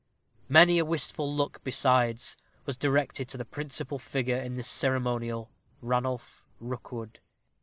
Many a wistful look, besides, was directed to the principal figure in this ceremonial, Ranulph Rookwood.